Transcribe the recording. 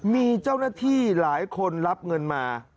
มีเจ้าหน้าที่หลายคนรับเงินมา